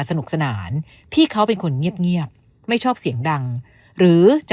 สนุกสนานพี่เขาเป็นคนเงียบไม่ชอบเสียงดังหรือจะ